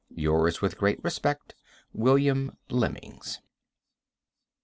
Yours, with great respect, William Lemons.